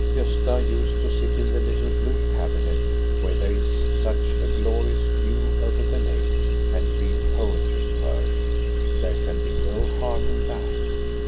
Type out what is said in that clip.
Gosta used to sit in the little blue cabinet, where there is such a glorious view over the lake, and read poetry to her. There can be no harm in that.